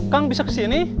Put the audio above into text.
kang bisa kesini